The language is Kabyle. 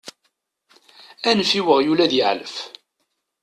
Anef i weɣyul ad yeεlef!